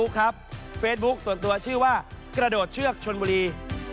ครับเฟซบุ๊คส่วนตัวชื่อว่ากระโดดเชือกชนบุรี